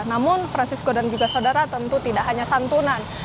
namun francisco dan juga saudara tentu tidak hanya santunan